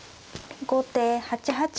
後手８八角。